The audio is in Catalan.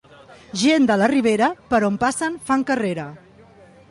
Gent de la Ribera, per on passen fan carrera.